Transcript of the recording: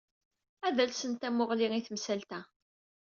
Ad alsen tamuɣli i temsalt-a.